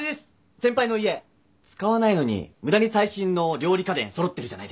先輩の家使わないのに無駄に最新の料理家電揃ってるじゃないですか。